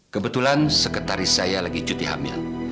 kebetulan sekretaris saya lagi cuti hamil